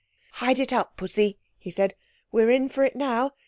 "Hide it up, Pussy," he said. "We are in for it now.